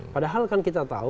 padahal kan kita tahu